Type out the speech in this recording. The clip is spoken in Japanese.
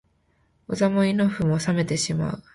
お座も胃の腑も冷めてしまう